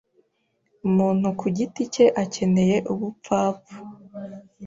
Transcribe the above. Umuntu ku giti cye akeneye ubupfapfa